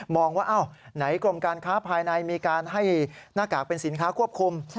ว่าไหนกรมการค้าภายในมีการให้หน้ากากเป็นสินค้าควบคุม